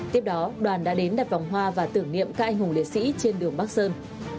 tiếp đó đoàn đã đến đặt vòng hoa và tưởng niệm các anh hùng liệt sĩ trên đường bắc sơn